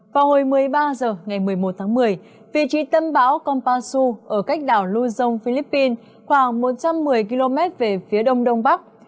vào hồi một mươi ba h ngày một mươi một tháng một mươi vị trí tâm bão kompansu ở cách đảo luzon philippines khoảng một trăm một mươi km về phía đông đông bắc